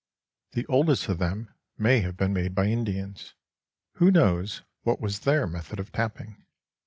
The oldest of them may have been made by the Indians. Who knows what was their method of tapping?